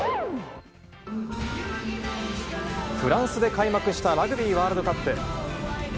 フランスで開幕したラグビーワールドカップ。